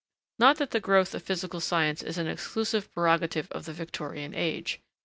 Not that the growth of physical science is an exclusive prerogative of the Victorian age.